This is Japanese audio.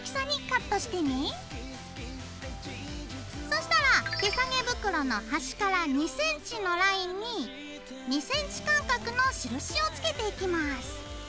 そうしたら手さげ袋の端から２ｃｍのラインに２ｃｍ間隔の印をつけていきます。